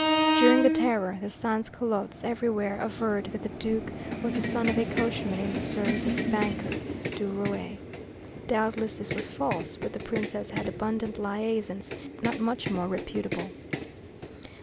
During the Terror the sans culottes everywhere averred that the Duke was the son of a coachman in the service of the banker Duruet. Doubtless this was false, but the princess had abundant liaisons not much more reputable.